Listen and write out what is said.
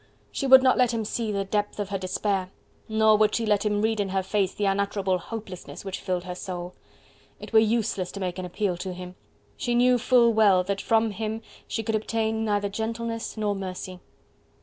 She would not let him see the depth of her despair, nor would she let him read in her face the unutterable hopelessness which filled her soul. It were useless to make an appeal to him: she knew full well that from him she could obtain neither gentleness nor mercy.